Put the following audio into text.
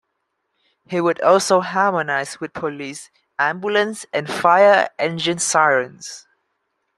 He also would harmonise with police, ambulance and fire engine sirens.